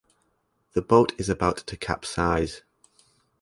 The boat is about to capsize.